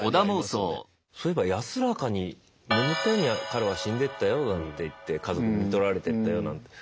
そういえば安らかに眠ったように彼は死んでいったよなんて言って家族にみとられてったよなんて。